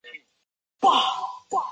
在不同地区涵义亦有差异。